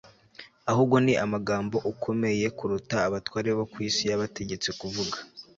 ahubwo ni amagambo Ukomeye kuruta abatware bo ku isi yabategetse kuvuga